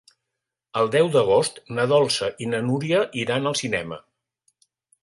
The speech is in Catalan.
El deu d'agost na Dolça i na Núria iran al cinema.